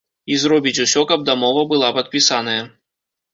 І зробіць усё, каб дамова была падпісаная.